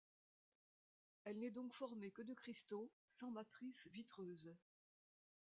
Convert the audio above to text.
Elle n'est donc formée que de cristaux, sans matrice vitreuse.